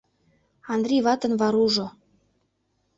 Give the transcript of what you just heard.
Андри ватын Варужо